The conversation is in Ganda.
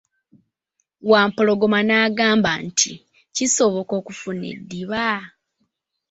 Wampologoma n'agamba nti, kisoboka okufuna eddiba?